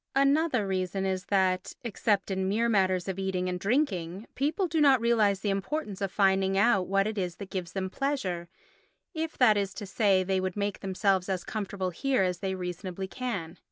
Another reason is that, except in mere matters of eating and drinking, people do not realise the importance of finding out what it is that gives them pleasure if, that is to say, they would make themselves as comfortable here as they reasonably can.